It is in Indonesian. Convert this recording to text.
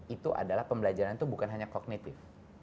itu adalah pembelajaran itu bukan hanya kognitif